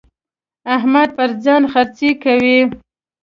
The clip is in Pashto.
احمد پر ځان خرڅې کوي.